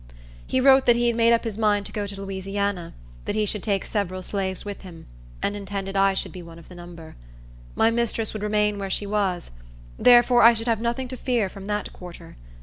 He wrote that he had made up his mind to go to Louisiana; that he should take several slaves with him, and intended I should be one of the number. My mistress would remain where she was; therefore I should have nothing to fear from that quarter.